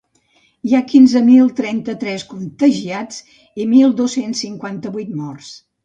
Hi ha quinze mil cent trenta-tres contagiats i mil dos-cents cinquanta-vuit morts.